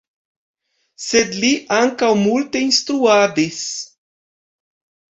Sed li ankaŭ multe instruadis.